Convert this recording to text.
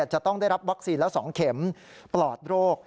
จะต้องได้รับวัคซีนแล้ว๒เข็มปลอดโรค